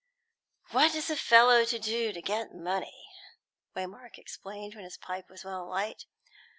"What is a fellow to do to get money?" Waymark exclaimed, when his pipe was well alight.